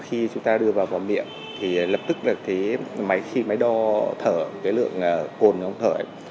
khi chúng ta đưa vào vò miệng thì lập tức là khi máy đo thở cái lượng cồn nó không thở ấy